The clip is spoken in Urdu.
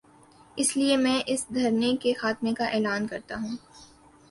اس لیے میں اس دھرنے کے خاتمے کا اعلان کر تا ہوں۔